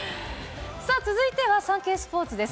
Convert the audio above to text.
続いてはサンケイスポーツです。